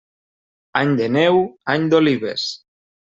Any de neu, any d'olives.